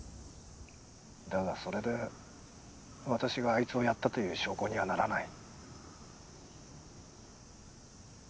だがそれで私があいつを殺ったという証拠にはならない。